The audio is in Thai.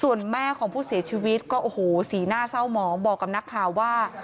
ส่วนแม่ของผู้เสียชีวิตก็โอ้โหสีหน้าเศร้าหมองบอกกับนักข่าวว่า